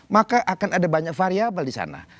maka akan ada banyak variable di sana